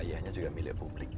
ayahnya juga milik publik